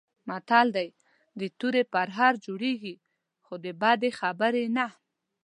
متل دی: د تورې پرهر جوړېږي، خو د بدې خبرې نه.